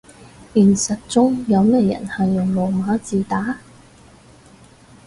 現實中有咩人係用羅馬字打